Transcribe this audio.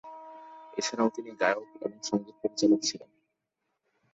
এছাড়াও তিনি গায়ক এবং সঙ্গীত পরিচালক ছিলেন।